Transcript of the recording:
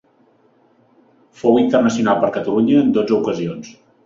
Fou internacional per Catalunya en dotze ocasions.